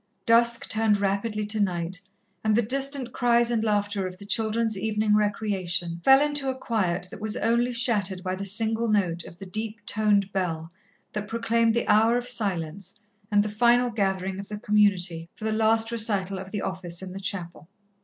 Dusk turned rapidly to night, and the distant cries and laughter of the children's evening recreation fell into a quiet that was only shattered by the single note of the deep toned bell that proclaimed the hour of silence and the final gathering of the Community for the last recital of the Office in the chapel.